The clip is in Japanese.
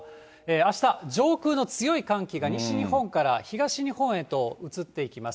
あした、上空の強い寒気が西日本から東日本へと移っていきます。